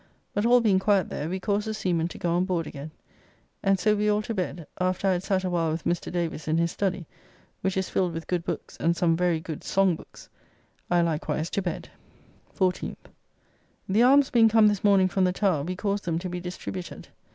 But all being quiet there, we caused the seamen to go on board again: And so we all to bed (after I had sat awhile with Mr. Davis in his study, which is filled with good books and some very good song books) I likewise to bed. 14th. The arms being come this morning from the Tower, we caused them to be distributed.